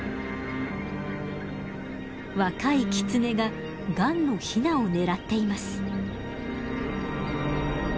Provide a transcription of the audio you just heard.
若いキツネがガンのヒナを狙っています。